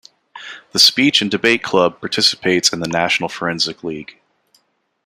The Speech and Debate Club participates in the National Forensic League.